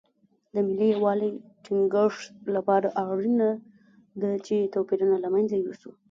د ملي یووالي ټینګښت لپاره اړینه ده چې توپیرونه له منځه یوسو.